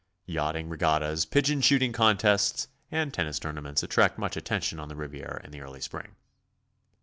Yachting regattas, pigeon shooting contests and tennis tournaments attract much attention on the Riviera in the early spring.